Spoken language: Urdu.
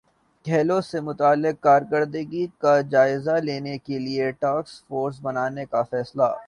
کھیلوں سے متعلق کارکردگی کا جائزہ لینے کیلئے ٹاسک فورس بنانے کا فیصلہ